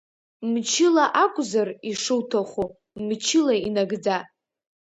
Мчыла акәзар, ишуҭаху, мчыла инагӡа.